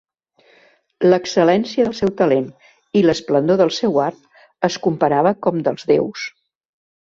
L'excel·lència del seu talent i l'esplendor del seu art es comparava com dels déus.